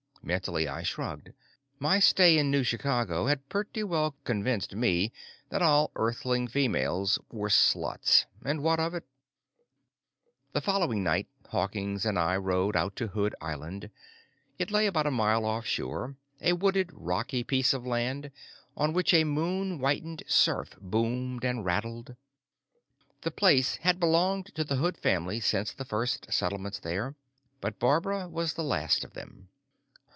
Mentally, I shrugged. My stay in New Chicago had pretty well convinced me that all Earthling females were sluts. And what of it? The following night, Hawkins and I rowed out to Hood Island. It lay about a mile offshore, a wooded, rocky piece of land on which a moon whitened surf boomed and rattled. The place had belonged to the Hood family since the first settlements here, but Barbara was the last of them.